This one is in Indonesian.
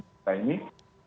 kesannya dilakukan aja